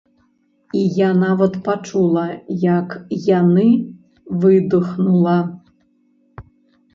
І я нават пачула, як яны выдыхнула.